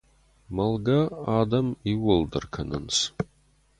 Мӕлгӕ адӕм иууылдӕр кӕнынц.